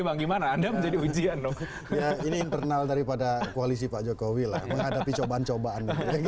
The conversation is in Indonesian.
bagaimana anda menjadi ujian ini internal daripada koalisi pak jokowi menghadapi cobaan cobaan kalau